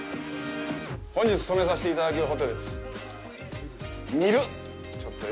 本日、泊めさせていただくホテルです。